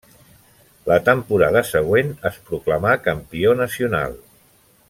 La temporada següent es proclamà campió nacional.